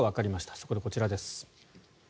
そこでこちらです。